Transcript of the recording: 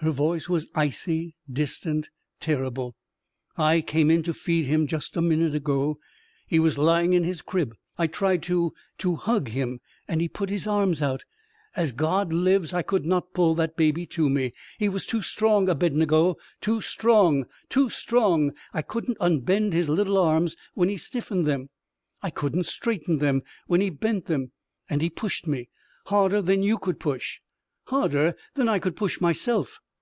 Her voice was icy, distant, terrible. "I came in to feed him just a minute ago. He was lying in his crib. I tried to to hug him and he put his arms out. As God lives, I could not pull that baby to me! He was too strong, Abednego! Too strong. Too strong. I couldn't unbend his little arms when he stiffened them. I couldn't straighten them when he bent them. And he pushed me harder than you could push. Harder than I could push myself.